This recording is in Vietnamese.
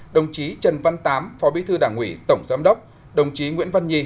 đồng chí trần văn tám phó bí thư đảng ủy tổng giám đốc đồng chí nguyễn văn nhi